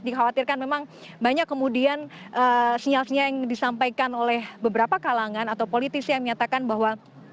dikhawatirkan memang banyak kemudian sinyal sinyal yang disampaikan oleh beberapa kalangan atau politisi yang menyatakan bahwa